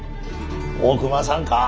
大隈さんか？